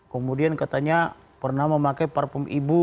kemudian katanya pernah memakai parfum ibu